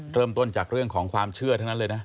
เริ่มต้นจากเรื่องของความเชื่อทั้งนั้นเลยนะ